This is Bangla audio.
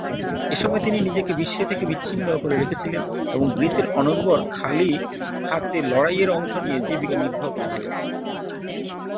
এইসময় তিনি নিজেকে বিশ্ব থেকে বিচ্ছিন্ন করে রেখেছিলেন এবং গ্রিসের অনুর্বর ভূমিতে খালি হাতে লড়াইয়ে অংশ নিয়ে জীবিকা নির্বাহ করেছিলেন।